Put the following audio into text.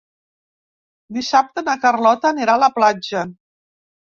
Dissabte na Carlota anirà a la platja.